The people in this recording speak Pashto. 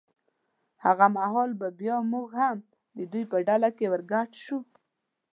هغه مهال به بیا موږ هم د دوی په ډله کې ور ګډ شو.